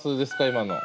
今の。